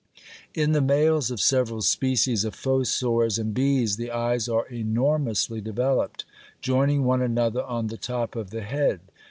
] In the males of several species of fossors and bees the eyes are enormously developed, joining one another on the top of the head.